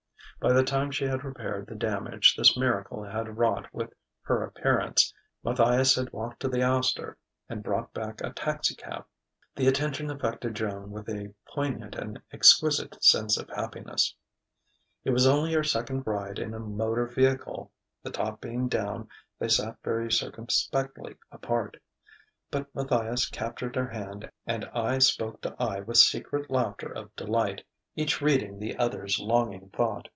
By the time she had repaired the damage this miracle had wrought with her appearance, Matthias had walked to the Astor and brought back a taxicab. The attention affected Joan with a poignant and exquisite sense of happiness. It was only her second ride in a motor vehicle. The top being down, they sat very circumspectly apart; but Matthias captured her hand and eye spoke to eye with secret laughter of delight, each reading the other's longing thought.